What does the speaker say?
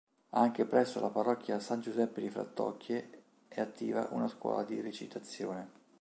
Anche presso la parrocchia San Giuseppe di Frattocchie è attiva una scuola di recitazione.